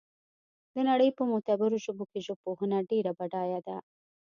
د نړۍ په معتبرو ژبو کې ژبپوهنه ډېره بډایه ده